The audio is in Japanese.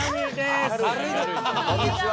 こんにちは。